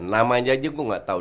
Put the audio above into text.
namanya aja gue gak tau